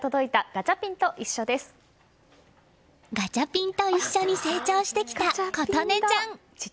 ガチャピンと一緒に成長してきた琴羽ちゃん。